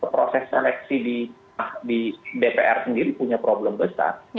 proses seleksi di dpr sendiri punya problem besar